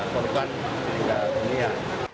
korban tinggal dunia